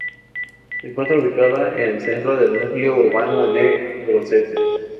Se encuentra ubicada en el centro del núcleo urbano de Grosseto.